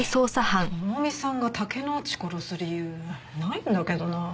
朋美さんが竹之内殺す理由ないんだけどな。